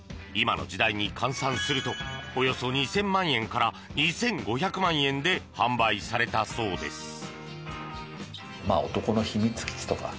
今の時代に換算するとおよそ２０００万円から２５００万円で販売されたそうです。